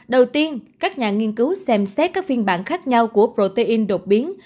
đầu tiên các nhà nghiên cứu xem xét các phiên bản khác nhau của protein đột biến